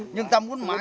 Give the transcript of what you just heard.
nhưng ta muốn mãi